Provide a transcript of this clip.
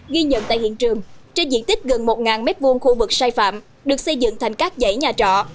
ghi nhận tại hiện trường trên diện tích gần một m hai khu vực sai phạm được xây dựng thành các dãy nhà trọ